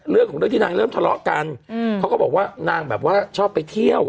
เรื่องของเรื่องที่นางเริ่มทะเลาะกันเขาก็บอกว่านางแบบว่าชอบไปเที่ยว